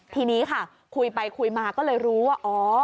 ทีนี้ค่ะคุยไปคุยมาก็เลยรู้ว่าอ๋อ